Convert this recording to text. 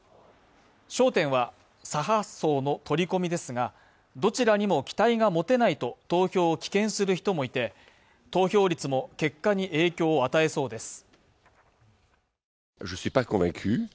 焦点は左派層の取り込みですが、どちらにも期待が持てないと投票を棄権する人もいて投票率も結果に影響を与えそうです。